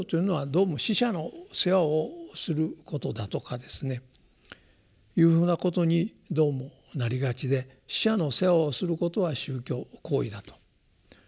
どうも死者の世話をすることだとかですねいうふうなことにどうもなりがちで死者の世話をすることは宗教行為だと。